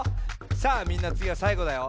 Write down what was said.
さあみんなつぎはさいごだよ。